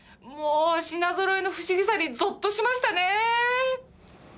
もう品ぞろえの不思議さにゾッとしましたね！